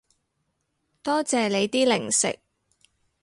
多謝你啲零食